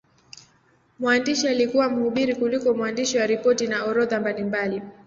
Mwandishi alikuwa mhubiri kuliko mwandishi wa ripoti na orodha mbalimbali tu.